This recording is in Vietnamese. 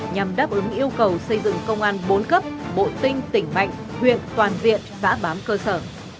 nhằm đáp ứng yêu cầu xây dựng công an bốn cấp bộ tinh tỉnh mạnh huyện toàn diện xã bám cơ sở